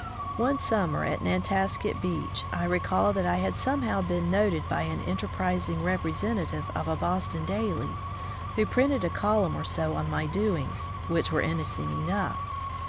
One summer at Nantasket beach, I recall that I had somehow been noted by an enter prising representative of a Boston daily, who printed a column or so on my doings, which were innocent enough.